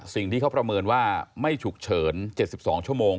สิ่งที่เขาประเมินว่าไม่ฉุกเฉิน๗๒ชั่วโมง